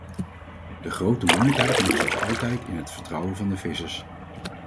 De grote moeilijkheid ligt, zoals altijd, in het vertrouwen van de vissers.